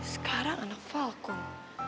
sekarang anak falcon